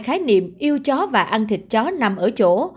khái niệm yêu chó và ăn thịt chó nằm ở chỗ